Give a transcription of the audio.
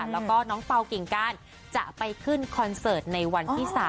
แล้วก็น้องเปล่ากิ่งการจะไปขึ้นคอนเสิร์ตในวันที่๓